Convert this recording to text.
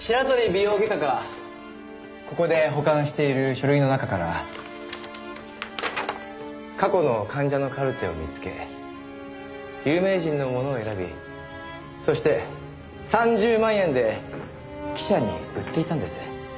美容外科がここで保管している書類の中から過去の患者のカルテを見つけ有名人のものを選びそして３０万円で記者に売っていたんです。